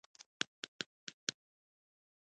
باد د انسان سترګې د خاورو ډکوي